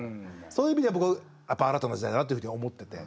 そういう意味で僕やっぱ新たな時代だなというふうに思ってて。